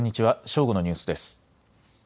正午のニュースです。